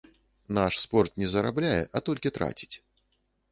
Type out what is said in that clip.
Наш спорт не зарабляе, а толькі траціць.